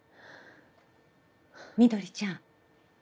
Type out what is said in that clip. みどりちゃん。